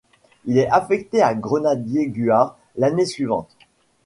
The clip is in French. Il est affecté au Grenadier Guards l'année suivante.